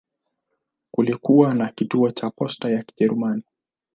Kulikuwa na kituo cha posta ya Kijerumani.